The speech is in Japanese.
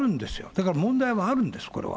だから問題はあるんです、これは。